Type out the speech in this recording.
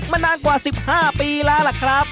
นานกว่า๑๕ปีแล้วล่ะครับ